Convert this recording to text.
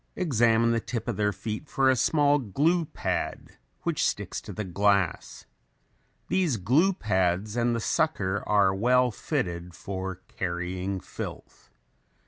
Examine the tip of their feet for a small glue pad which sticks to the glass. These glue pads and the sucker are well fitted for carrying filth.